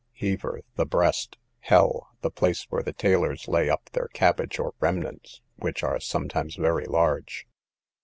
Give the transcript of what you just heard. Heaver, the breast. Hell, the place where the tailors lay up their cabbage or remnants, which are sometimes very large.